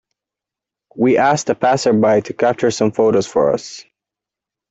We asked the passer-by to capture some photos for us.